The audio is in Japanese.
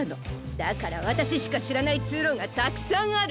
だからわたししかしらないつうろがたくさんある。